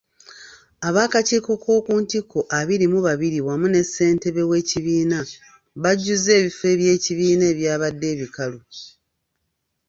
Ab'akakiiko ak'oku ntikko abiri mu babiri wamu ne ssentebe w'ekibiina bajjuzza ebifo by'ekibiina ebyabadde ebikalu.